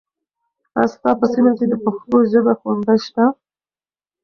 آیا ستا په سیمه کې د پښتو ژبې ښوونځي شته؟